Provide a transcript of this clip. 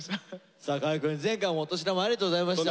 さあ河合くん前回もお年玉ありがとうございました。